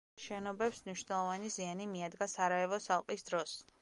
შენობებს მნიშვნელოვანი ზიანი მიადგა სარაევოს ალყის დროს.